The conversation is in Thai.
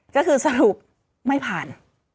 ก็คือสรุปไม่ผ่าน